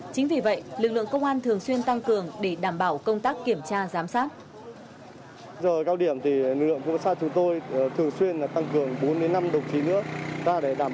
chính vì vậy lực lượng công an thường xuyên tăng cường để đảm bảo công tác kiểm tra giám sát